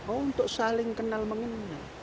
untuk saling kenal mengenal